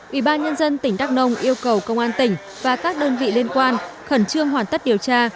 ủy ban nhân dân tỉnh đắk nông yêu cầu công an tỉnh và các đơn vị liên quan khẩn trương hoàn tất điều tra